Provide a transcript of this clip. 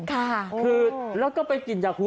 ค่ะก็ไปกินยาคู